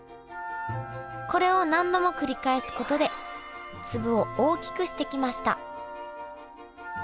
これを何度も繰り返すことで粒を大きくしてきました。